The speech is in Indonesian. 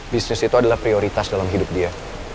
bisnis itu adalah prioritas dalam hidup dia